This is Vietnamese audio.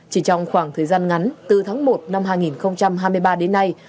chỉ trong khoảng thời gian ngắn từ tháng một năm hai nghìn hai mươi ba đến nay